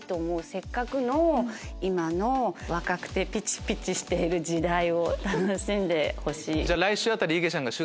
せっかくの今の若くてピチピチしている時代を楽しんでほしい。